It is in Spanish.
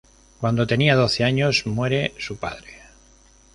Cuando tenía doce años muere su padre.